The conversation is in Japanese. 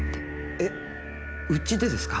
えっ！？うちでですか？